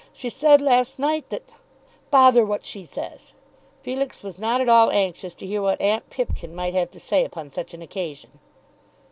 She said last night that " "Bother what she says!" Felix was not at all anxious to hear what aunt Pipkin might have to say upon such an occasion.